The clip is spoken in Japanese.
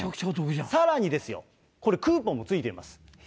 さらにですよ、これクーポンも付いています。